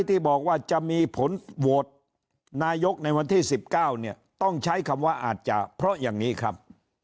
ที่บอกว่าจะมีผลโหวตนายกในวันที่๑๙เนี่ยต้องใช้คำว่าอาจจะเพราะอย่างนี้ครับ